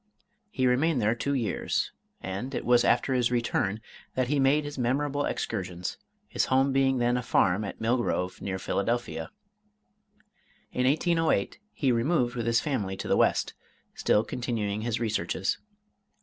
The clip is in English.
He remained there two years; and it was after his return that he made his memorable excursions, his home being then a farm at Mill Grove, near Philadelphia. In 1808 he removed with his family to the West, still continuing his researches.